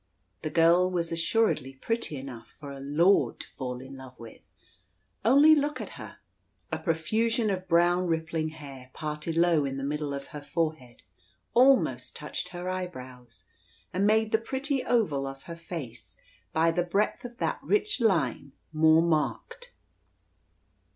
The girl was, assuredly, pretty enough for a "lord" to fall in love with. Only look at her. A profusion of brown rippling hair, parted low in the middle of her forehead, almost touched her eyebrows, and made the pretty oval of her face, by the breadth of that rich line, more marked.